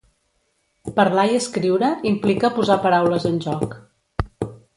Parlar i escriure implica posar paraules en joc.